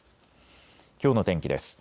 きょうの天気です。